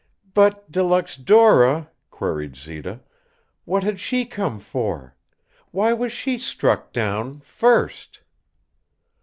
"But De Luxe Dora," queried Zita. "What had she come for? Why was she struck down first?"